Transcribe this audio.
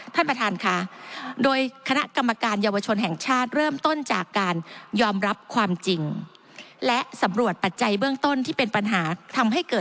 ท่านประธานค่ะโดยคณะกรรมการเยาวชนแห่งชาติ